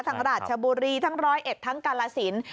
ราชบุรีทั้งร้อยเอ็ดทั้งกาลสิน